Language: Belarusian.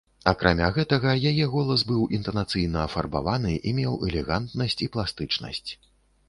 Акрамя гэтага яе голас быў інтанацыйна афарбаваны і меў элегантнасць і пластычнасць.